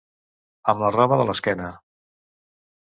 Amb la roba de l'esquena.